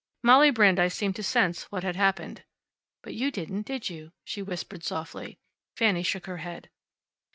Molly Brandeis seemed to sense what had happened. "But you didn't, did you?" she whispered softly. Fanny shook her head.